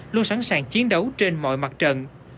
luôn sẵn sàng chiến đấu trên mọi mặt trận